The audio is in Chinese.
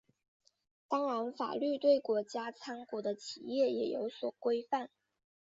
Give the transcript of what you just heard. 当然法律对国家参股的企业也有所规范。